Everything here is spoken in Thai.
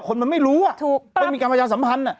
ก็เราไม่รู้อะคนมันไม่รู้อะไม่มีการประชาสัมพันธ์